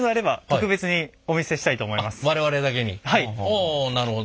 あなるほど。